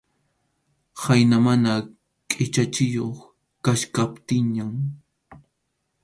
Khayna mana qʼichachiyuq kachkaptinñan.